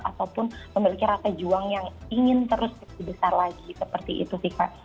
ataupun memiliki rasa juang yang ingin terus kebesar lagi seperti itu sih kak